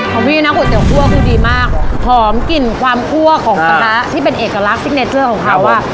ของพี่นะขวัตเตี๋ยวคั่วคือดีมากหอมกลิ่นความคั่วของปลาร้าที่เป็นเอกลักษณ์ของเขาอ่ะ